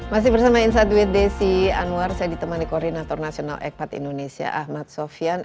masih bersama insight with desi anwar saya ditemani koordinator nasional ekpat indonesia ahmad sofian